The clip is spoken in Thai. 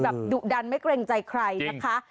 ดุดันไม่เกรงใจใครนะคะ